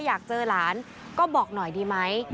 อยากเจอหลานก็บอกหน่อยดีไหม